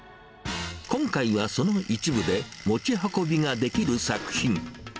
今回はその一部で、持ち運びができる作品。